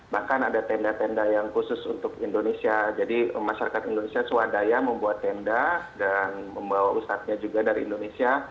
bahkan ada tenda tenda yang khusus untuk indonesia jadi masyarakat indonesia swadaya membuat tenda dan membawa ustadznya juga dari indonesia